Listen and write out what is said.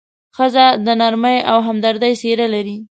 ښځه د نرمۍ او همدردۍ څېره لري.